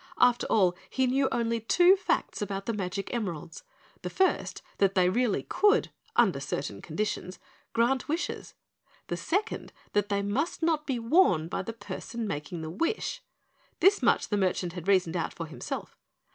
After all, he knew only two facts about the magic emeralds, the first that they really could, under certain conditions, grant wishes; the second, that they must not be worn by the person making the wish. This much the merchant had reasoned out for himself.